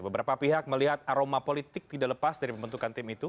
beberapa pihak melihat aroma politik tidak lepas dari pembentukan tim itu